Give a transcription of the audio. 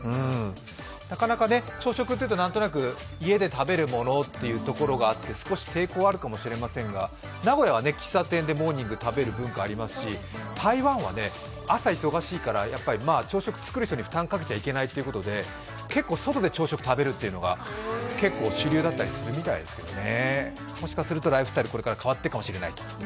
なかなか朝食っていうとなんとなく、家で食べるものというところがあって少し抵抗があるかもしれませんが名古屋は喫茶店でモーニングを食べる習慣がありますし台湾は朝忙しいから朝食作る人に負担かけちゃいけないということで結構外で朝食を食べるっていうのが、主流だったりするみたいですよね。